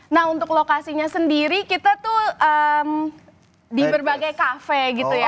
nah untuk lokasinya sendiri kita tuh di berbagai kafe gitu ya